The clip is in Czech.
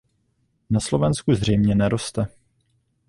Na Slovensku zřejmě neroste.